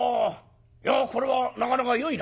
いやこれはなかなかよいな。